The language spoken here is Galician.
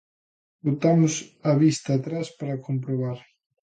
Botamos a vista atrás para comprobar.